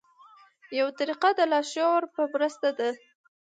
یوه طریقه د لاشعور په مرسته ده.